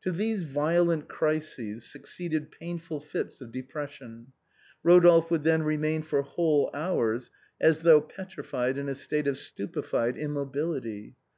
To these violent crises succeeded painful fits of de pression. Rodolphe would then remain for whole hours as though petrified in a state of stupefied immobility.